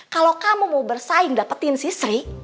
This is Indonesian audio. kalo kamu mau bersaing dapetin si seri